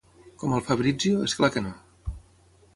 Com al Fabrizio, és clar que no.